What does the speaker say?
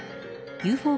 ＵＦＯ